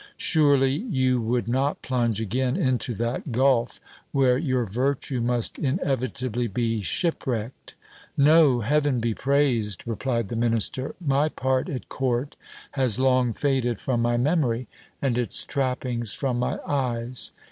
Surely you would not plunge again into that gulf, where your virtue must inevitably be shipwrecked ! No, heaven be praised ! replied the minister : my part at court has long faded from my memory, and its trappings from my eyes.